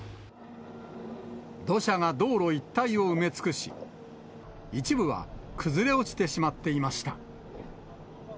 土砂が道路一帯を埋め尽くし、一部は崩れ落ちてしまっていました。